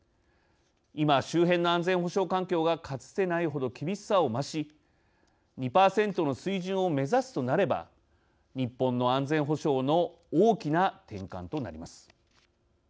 今、周辺の安全保障環境がかつてないほど厳しさを増し２％の水準を目指すとなれば日本の安全保障の大きな転換となります。